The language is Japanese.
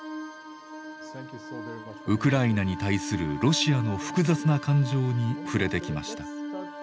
ウクライナに対するロシアの複雑な感情に触れてきました。